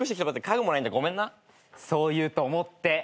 そう言うと思って。